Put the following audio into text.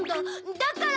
だから！